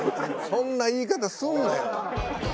そんな言い方すんなよ。